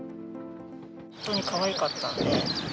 本当にかわいかったんで。